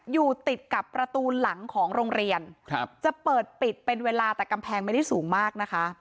อยู่ติดกับประตูหลังของโรงเรียนจะเปิดปิดเป็นเวลาแต่กำแพงไม่ได้สูงมากนะคะ